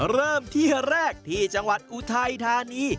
เริ่มที่แรกที่จังหวัดอุทัยธานี